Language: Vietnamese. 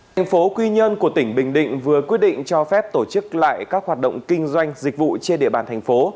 thành phố quy nhơn của tỉnh bình định vừa quyết định cho phép tổ chức lại các hoạt động kinh doanh dịch vụ trên địa bàn thành phố